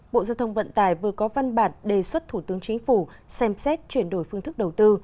bộ giao thông vận tải vừa có văn bản đề xuất thủ tướng chính phủ xem xét chuyển đổi phương thức đầu tư